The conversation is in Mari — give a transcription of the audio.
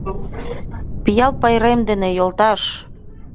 Пиал пайрем дене, йолташ!